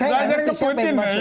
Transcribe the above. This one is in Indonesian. saya ingat ke putin